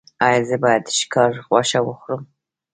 ایا زه باید د ښکار غوښه وخورم؟